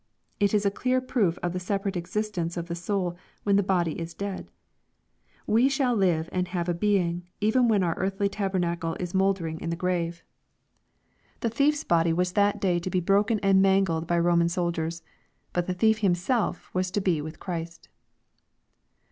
It is a clear proof of the separate existence of the soul when the body is dead. We shall live and have a being, even when our earthly tabernacle is mouldering in the grave. The thiefa LUKE, CHAP. XXIII. 477 body was that day to be broken and mangled by Roman soldiers. But the thief himself was to be with Christ.